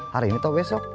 hari ini atau besok